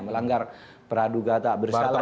melanggar peradu gata bersalah dan sebagainya